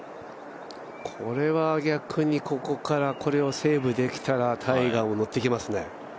これは逆にここからこれをセーブできたらタイガーものってきますね。